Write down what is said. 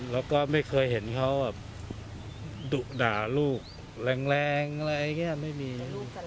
แล้วก็ไม่เคยเห็นเขาดุด่าลูกแรงไม่มี